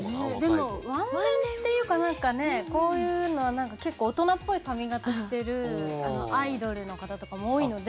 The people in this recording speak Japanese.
でも、ワンレンっていうかこういうのは結構、大人っぽい髪形してるアイドルの方とかも多いので。